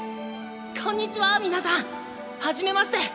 こんにちは皆さん！はじめまして。